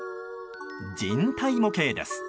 人体模型です。